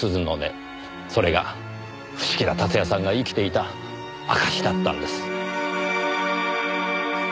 それが伏木田辰也さんが生きていた証しだったんです。